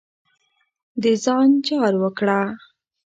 د ځان جار وکړه.